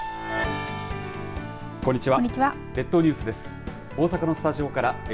こんにちは。